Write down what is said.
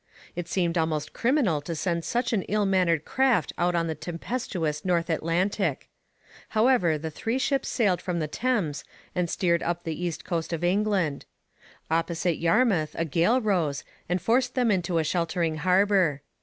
It seemed almost criminal to send such an ill manned craft out on the tempestuous North Atlantic. However, the three ships sailed from the Thames and steered up the east coast of England. Opposite Yarmouth a gale rose and forced them into a sheltering harbour.